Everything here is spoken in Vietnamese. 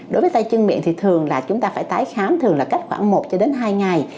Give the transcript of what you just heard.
đối với tay chân miệng thì thường là chúng ta phải tái khám thường là cách khoảng một cho đến hai ngày